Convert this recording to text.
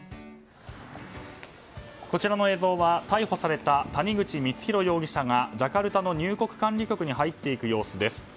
こちらの映像は逮捕された谷口光弘容疑者がジャカルタの入国管理局に入っていく様子です。